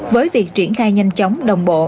với việc triển khai nhanh chóng đồng bộ